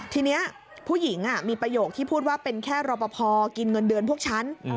ทีนี้ผู้หญิงมีประโยคที่พูดว่าเป็นแค่รอปภกินเงินเดือนพวกฉัน